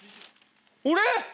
俺！？